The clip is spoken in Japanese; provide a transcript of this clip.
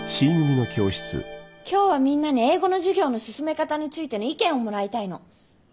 今日はみんなに英語の授業の進め方についての意見をもらいたいの。